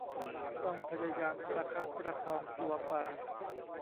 ต้องพยายามประคับประคองตัวไป